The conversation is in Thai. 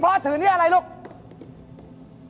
เหปาตะเกะเหปาตะเกะ